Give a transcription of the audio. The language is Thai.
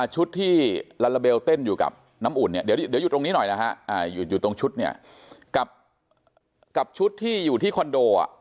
ชุดที่ลาลาเบลเต้นอยู่กับน้ำอุ่นเนี่ยเดี๋ยวอยู่ตรงนี้หน่อยนะฮะอยู่ตรงชุดเนี่ยกับชุดที่อยู่ที่คอนโด